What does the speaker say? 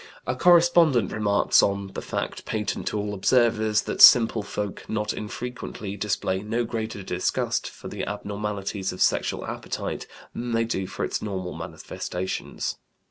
A correspondent remarks on "the fact, patent to all observers, that simple folk not infrequently display no greater disgust for the abnormalities of sexual appetite than they do for its normal manifestations."